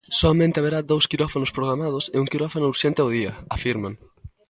"Soamente haberá dous quirófanos programados e un quirófano urxente ao día", afirman.